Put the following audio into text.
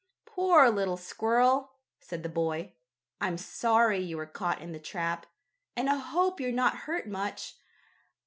"Poor little squirrel," said the boy. "I'm sorry you were caught in the trap, and I hope you're not hurt much.